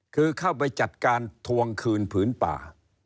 คือเข้าไปจัดการทวงคืนผืนป่า